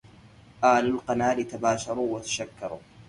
آل القنال تباشروا وتشكروا